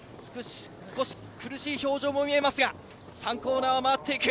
少し苦しい表情も見えますが、３コーナーを回っていく。